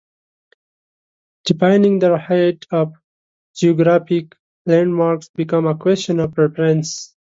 Defining the height of geographic landmarks becomes a question of reference.